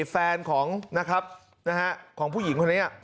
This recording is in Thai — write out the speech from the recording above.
แฟนของนะครับของผู้หญิงคนนี้